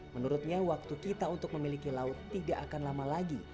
menurutnya waktu kita untuk memiliki laut tidak akan lama lagi